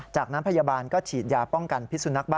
จากนั้นพยาบาลก็ฉีดยาป้องกันพิสุนักบ้า